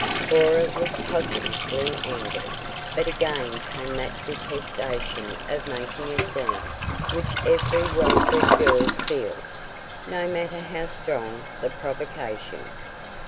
Cora was positively angry. But again came that detestation of making a scene, which every well bred girl feels, no matter how strong the provocation.